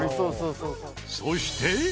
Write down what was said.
そして。